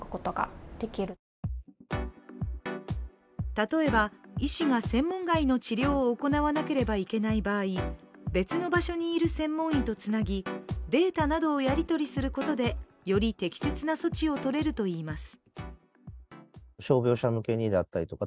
例えば、医師が専門外の治療を行わなければいけない場合別の場所にいる専門医とつなぎデータなどをやり取りすることでより適切な措置をとれるといいます。